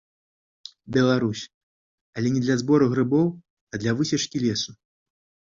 Беларусь, але не для збору грыбоў, а для высечкі лесу.